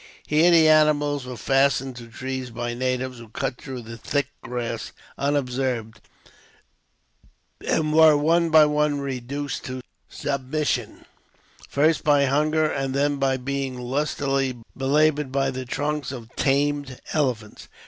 Here the animals were fastened to trees by natives, who cut through the thick grass unobserved; and were one by one reduced to submission, first by hunger, and then by being lustily belaboured by the trunks of tamed elephants.